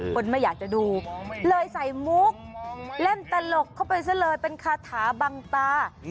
คนไม่อยากจะดูเลยใส่มุกเล่นตลกเข้าไปซะเลยเป็นคาถาบังตา